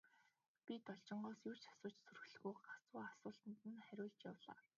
Би Должингоос юу ч асууж зүрхлэхгүй, гагцхүү асуусанд нь хариулж явлаа.